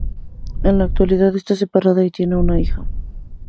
En la actualidad está separada y tiene una hija.